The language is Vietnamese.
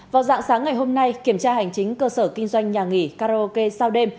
vào dạng sáng ngày hôm nay kiểm tra hành chính cơ sở kinh doanh nhà nghỉ karaoke sao đêm